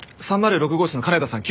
３０６号室の金田さん